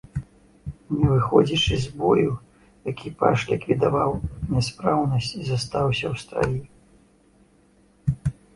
Не выходзячы з бою, экіпаж ліквідаваў няспраўнасць і застаўся ў страі.